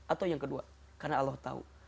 atau yang kedua karena allah tahu